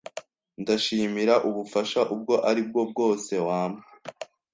Ndashimira ubufasha ubwo ari bwo bwose wampa.